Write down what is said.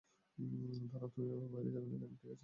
দাঁড়াও, তুমি এভাবে বাইরে যাবে না, ঠিক আছে?